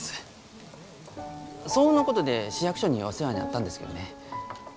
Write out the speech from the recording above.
騒音のことで市役所にお世話になったんですけどね。